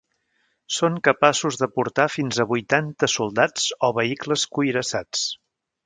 Són capaços de portar fins a vuitanta soldats o vehicles cuirassats.